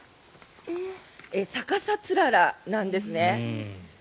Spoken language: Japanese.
逆さつららなんですね。